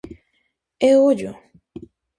E ollo!